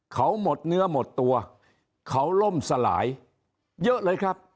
เขาหมดเนื้อหมดตัวเขาล่มสลายเยอะเลยครับ